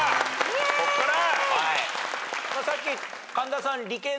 こっから！